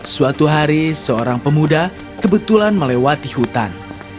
suatu hari seorang pemuda kebetulan melewati hutan